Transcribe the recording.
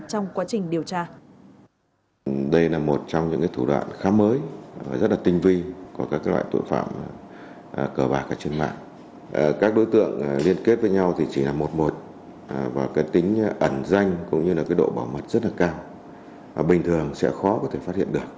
trong quá trình điều tra